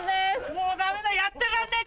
もうダメだやってらんねえ